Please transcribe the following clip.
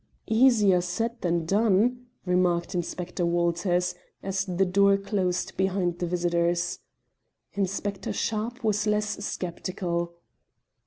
"Easier said than done," remarked Inspector Walters, as the door closed behind the visitors. Inspector Sharpe was less sceptical.